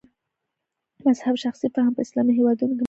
مذهب شخصي فهم په اسلامي هېوادونو کې ماتې خوړلې.